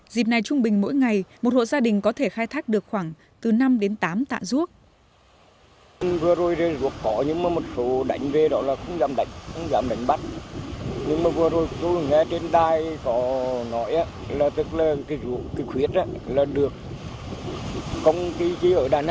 dịp này trung bình mỗi ngày một hộ gia đình có thể khai thác được khoảng từ năm đến tám tạ ruốc